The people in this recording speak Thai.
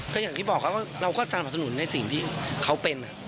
ก็อย่างที่บอกครับว่าเราก็สนับสนุนในสิ่งที่เขาเป็น